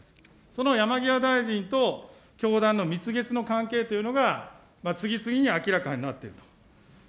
この山際大臣と教団の蜜月の関係というのが次々に明らかになっていると。